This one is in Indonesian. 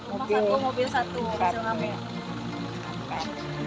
motor empat biji rumah satu mobil satu bisa ngapain